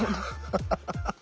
ハハハッ。